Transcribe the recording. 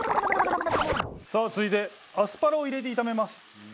さあ続いてアスパラを入れて炒めます。